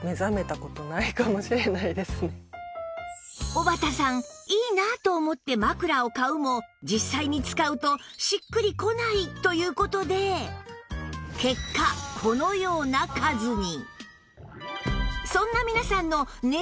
おばたさん「いいな」と思って枕を買うも実際に使うとしっくりこないという事で結果このような数に